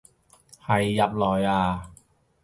係入內啊